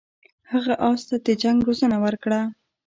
هغه اس ته د جنګ روزنه ورکړه.